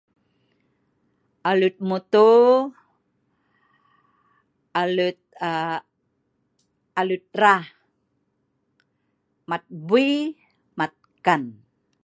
Aleut mutu aluut um aleut raa, maat wvie maat nkan